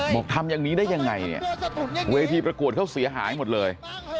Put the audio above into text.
ทำอย่างนี้ได้ยังไงเนี่ยเวทีประกวดเขาเสียหายหมดเลย